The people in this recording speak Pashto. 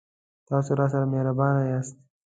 تاسو راسره مهربان یاست